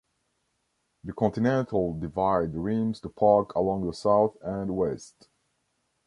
The continental divide rims the Park along the south and west.